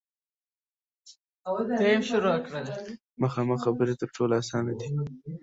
مخامخ خبرې تر ټولو اسانه دي.